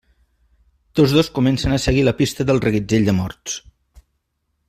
Tots dos comencen a seguir la pista del reguitzell de morts.